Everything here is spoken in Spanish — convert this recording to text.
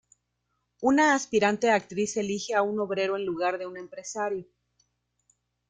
Una aspirante a actriz elige a un obrero en lugar de un empresario.